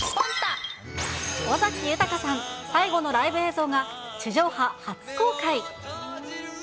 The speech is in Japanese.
尾崎豊さん、最後のライブ映像が、地上波初公開。